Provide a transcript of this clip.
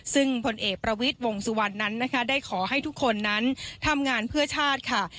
ซึ่งผลเอกประวิทย์วงสุวรรณนั้นนะคะได้ขอให้ทุกคนนั้นทำงานเพื่อชาติค่ะ